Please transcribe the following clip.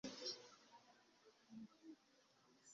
nshobora gutuma iyi sanduku itwarwa hejuru